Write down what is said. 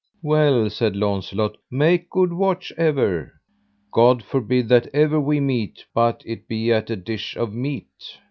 Well, said Launcelot, make good watch ever: God forbid that ever we meet but if it be at a dish of meat.